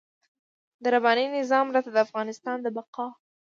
د رباني نظام راته د افغانستان د بقا.